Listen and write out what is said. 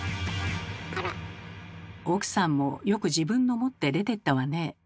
奥さんもよく自分の持って出てったわね。